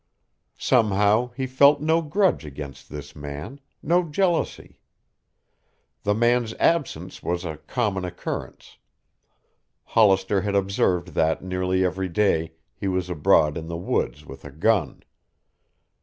Somehow he felt no grudge against this man, no jealousy. The man's absence was a common occurrence. Hollister had observed that nearly every day he was abroad in the woods with a gun.